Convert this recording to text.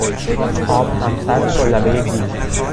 آب همسطح با لبهی دیگ